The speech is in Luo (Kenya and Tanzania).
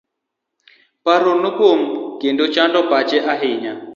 Paro nopong'o kendo chando pache ahinya.